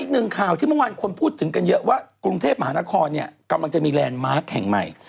อีกหนึ่งข่าวที่เมื่อวานคนพูดถึงกันเยอะว่ากรุงเทพมหานครเนี่ยกำลังจะมีแลนด์มาร์คแห่งใหม่